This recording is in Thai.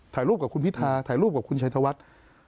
ถ่ายรูปกับคุณพิทาถ่ายรูปกับคุณชัยธวัฒน์